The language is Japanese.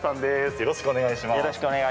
よろしくお願いします。